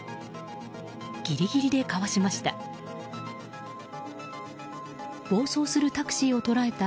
ギリギリでかわしました。